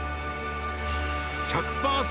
１００％